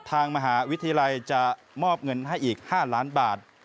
ทางมหาวิทยาลัยจะมอบเงินให้อีก๕ล้านบาท